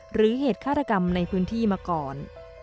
หรือเหตุฆาตกรรมในพื้นที่มาก่อน